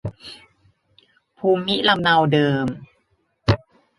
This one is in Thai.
ภูมิลำเนาเดิม